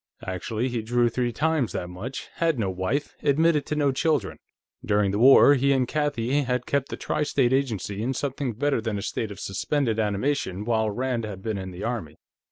Actually, he drew three times that much, had no wife, admitted to no children. During the war, he and Kathie had kept the Tri State Agency in something better than a state of suspended animation while Rand had been in the Army.